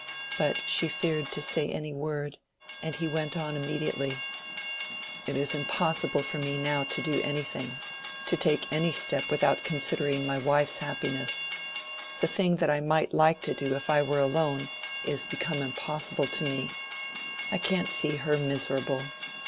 But she feared to say any word, and he went on immediately. "It is impossible for me now to do anything—to take any step without considering my wife's happiness. The thing that I might like to do if I were alone, is become impossible to me. I can't see her miserable.